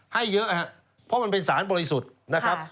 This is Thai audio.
ให้เยอะครับเพราะมันเป็นสารบริสุทธิ์นะครับ